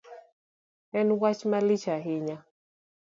En wach malich ahinya